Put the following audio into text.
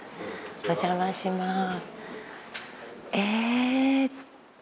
お邪魔しますえっ！